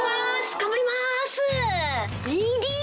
頑張ります。